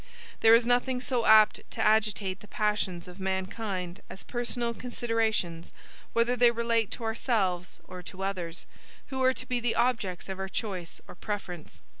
There is nothing so apt to agitate the passions of mankind as personal considerations whether they relate to ourselves or to others, who are to be the objects of our choice or preference.